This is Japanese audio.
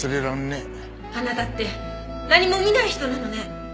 あなたって何も見ない人なのね！